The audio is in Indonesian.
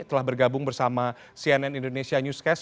telah bergabung bersama cnn indonesia newscast